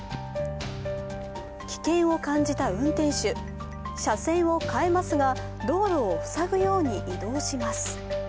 危険を感じた運転手、車線を変えますが道路を塞ぐように移動します。